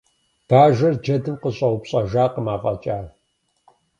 Бажэр джэдым къыщӏэупщӏэжакъым афӏэкӏа.